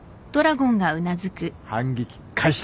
反撃開始だ！